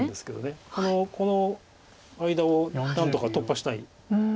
この間を何とか突破したい。